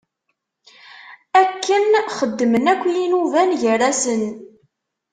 Akken xeddmen akk yinuban gar-asen.